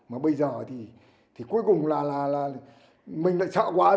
mà bây giờ thì cuối cùng là mình lại sợ quá